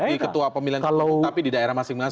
seperti ketua pemilihan tapi di daerah masing masing